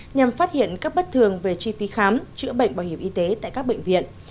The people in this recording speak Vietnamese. nhằm phát hiện các bất thường về chi phí khám chữa bệnh bảo hiểm y tế tại các bệnh viện